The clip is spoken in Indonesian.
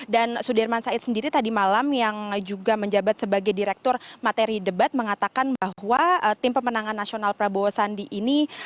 dan sudirman said sendiri tadi malam yang juga menjabat sebagai direktur materi debat mengatakan bahwa tim pemenangan nasional prabowo sandi ini